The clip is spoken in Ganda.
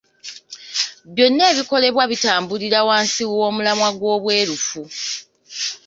Byonna ebikolebwa bitambulira wansi w’omulamwa gw’obweruufu.